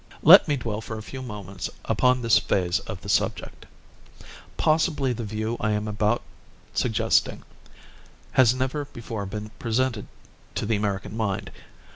Let me dwell for a few moments upon this phase of the subject. Possibly the view I am about suggesting has never before been presented to the American mind.